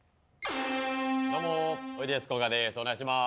どうもおいでやすこがです